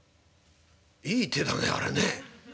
いい手だねあれね。